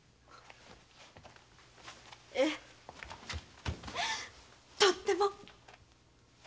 ええとっても！